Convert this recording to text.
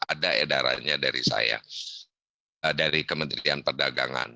ada edarannya dari saya dari kementerian perdagangan